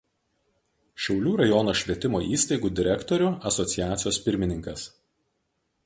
Šiaulių rajono švietimo įstaigų direktorių asociacijos pirmininkas.